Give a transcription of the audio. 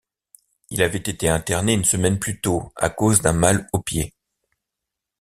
Il avait été interné une semaine plus tôt à cause d’un mal au pied.